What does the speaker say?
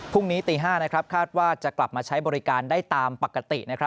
ตี๕คาดว่าจะกลับมาใช้บริการได้ตามปกติ